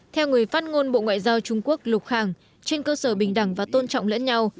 theo người phát ngôn bộ ngoại giao trung quốc lục khẳng trên cơ sở bình đẳng và tôn trọng lẫn nhau